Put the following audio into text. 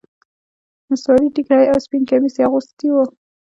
نصواري ټيکری او سپين کميس يې اغوستي وو.